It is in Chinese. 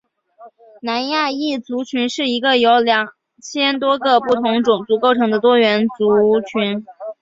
南亚裔族群是一个由二千多个不同种族构成的多元族群。